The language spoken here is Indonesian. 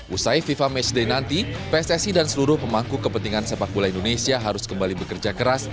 usai fifa matchday nanti pssi dan seluruh pemangku kepentingan sepak bola indonesia harus kembali bekerja keras